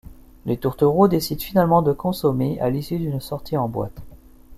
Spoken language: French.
Les tourtereaux décident finalement de consommer à l’issue d’une sortie en boîte.